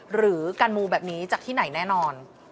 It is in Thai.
หรือการมูแบบนี้จากที่ไหนแน่นอน